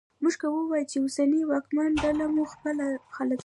موږ که وایوو چې اوسنۍ واکمنه ډله مو خپل خلک دي